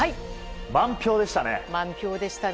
満票でしたね。